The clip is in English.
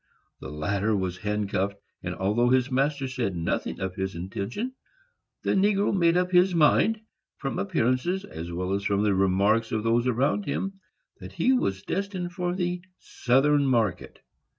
The latter was handcuffed, and although his master said nothing of his intention, the negro made up his mind, from appearances, as well as from the remarks of those around him, that he was destined for the Southern market.